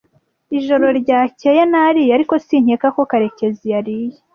Ijoro ryakeye nariye, ariko sinkeka ko Karekezi yariye.